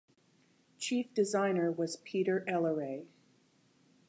Chief designer was Peter Elleray.